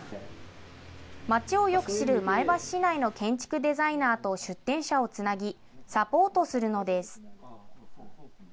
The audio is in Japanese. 街をよく知る前橋市内の建築デザイナーと出店者をつなぎ、サポートするのです。